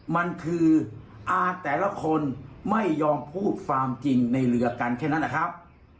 มันคืออาแต่ละคนไม่ยอมพูดความจริงในเรือกันแค่นั้นนะครับ